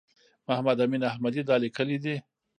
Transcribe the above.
محمد امین احمدي دا لیکلي دي.